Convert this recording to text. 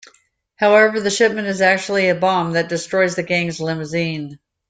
However, the shipment is actually a bomb that destroys the gang's limousine.